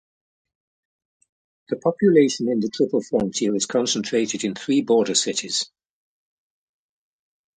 The population in the Triple Frontier is concentrated in three border cities.